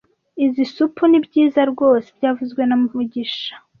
Izoi supu nibyiza rwose byavuzwe na mugisha